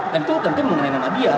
dan itu tentu mengenai nama dia